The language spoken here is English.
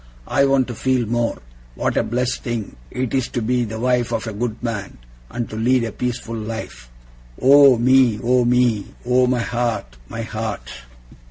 I want to feel more, what a blessed thing it is to be the wife of a good man, and to lead a peaceful life. Oh me, oh me! Oh my heart, my heart!